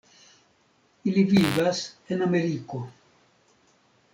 Ili vivas en Ameriko.